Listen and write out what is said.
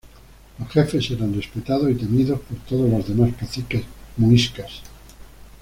Los jefes eran respetados y temidos por todos los demás caciques muiscas.